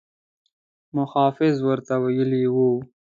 محافظ ورته ویلي وو.